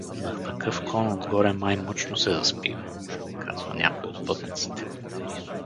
— На такъв кон отгоре май мъчно се заспива — казва някой от пътниците.